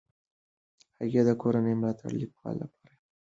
هغې د کورنۍ ملاتړ د لیکلو لپاره مهم وبللو.